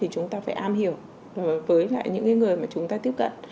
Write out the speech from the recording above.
chúng ta phải am hiểu với những người mà chúng ta tiếp cận